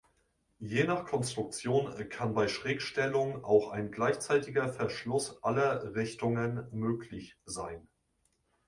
Je nach Konstruktion kann bei Schrägstellung auch ein gleichzeitiger Verschluss aller Richtungen möglich sein.